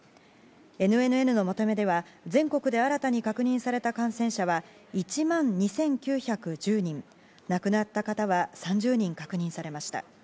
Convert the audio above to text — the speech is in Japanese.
ＮＮＮのまとめでは全国で新たに確認された感染者は１万２９１０人、亡くなった方は３０人確認されました。